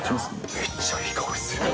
めっちゃいい香りする。